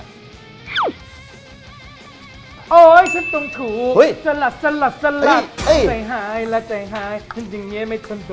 แล้วมันต้องใส่อย่างนี้ใช่ป่ะ